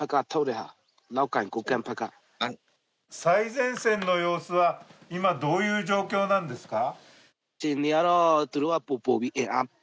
最前線の様子は今どういう状況なんですか？